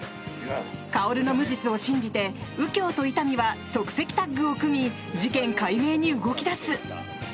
薫の無実を信じて右京と伊丹は即席タッグを組み事件解明に動き出す！